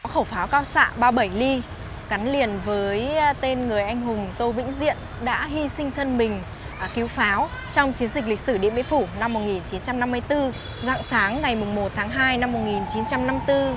khẩu pháo cao xạ ba mươi bảy mm gắn liền với tên người anh hùng tô vĩnh diện đã hy sinh thân mình cứu pháo trong chiến dịch lịch sử điện biên phủ năm một nghìn chín trăm năm mươi bốn dạng sáng ngày một tháng hai năm một nghìn chín trăm năm mươi bốn